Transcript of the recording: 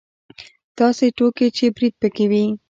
داسې ټوکې چې برید پکې وي.